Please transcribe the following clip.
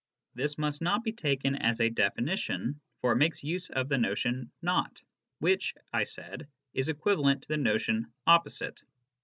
This must not be taken as a definition, for it makes use of the notion 'not' which, I said, is equivalent to the notion 'opposite.'